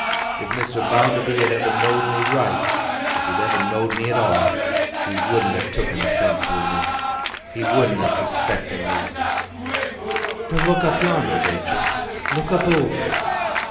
If Mr. Bounderby had ever know'd me right—if he'd ever know'd me at aw—he would'n ha' took'n offence wi' me. He would'n ha' suspect'n me. But look up yonder, Rachael! Look aboove!